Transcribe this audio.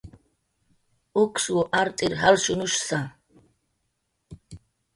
Uksw art'ir jalshunushsa